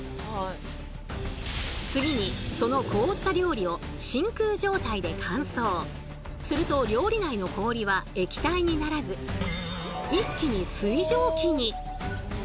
次にその凍った料理をすると料理内の氷は液体にならず一気に水蒸気に！